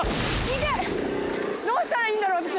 イテッどうしたらいいんだろう私